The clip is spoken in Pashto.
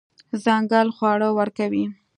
ځنګل خواړه ورکوي.